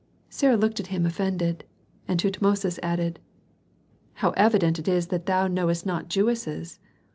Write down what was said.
Sarah looked at him offended; and Tutmosis added, "How evident it is that thou knowest not Jewesses!